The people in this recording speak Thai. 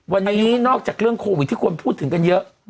วันนี้นอกจากเรื่องโควิดที่ควรพูดถึงกันเยอะ